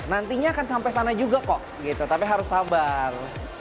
nantinya akan sampai sana juga kok gitu tapi harus sabar